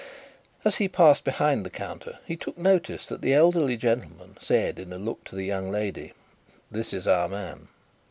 As he passed behind the counter, he took notice that the elderly gentleman said in a look to the young lady, "This is our man."